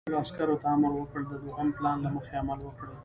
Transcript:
رئیس جمهور خپلو عسکرو ته امر وکړ؛ د دوهم پلان له مخې عمل وکړئ!